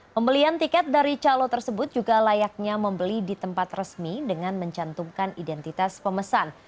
pembelian tiket dari calo tersebut juga layaknya membeli di tempat resmi dengan mencantumkan identitas pemesan